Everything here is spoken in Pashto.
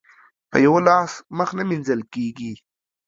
په يوه لاس مخ نه مينځل کېږي.